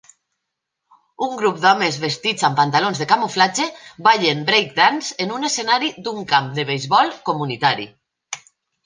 Un grup d'homes vestits amb pantalons de camuflatge ballen break dance en un escenari d'un camp de beisbol comunitari.